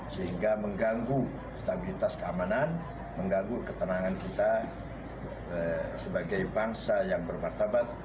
sehingga mengganggu stabilitas keamanan mengganggu ketenangan kita sebagai bangsa yang bermartabat